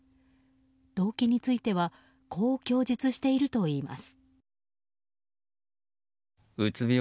動機についてはこう供述しているといいます。